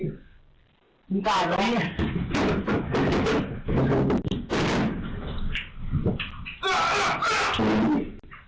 ผมตายต่อแล้วเนี่ย